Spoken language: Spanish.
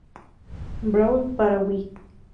Brawl, para Wii.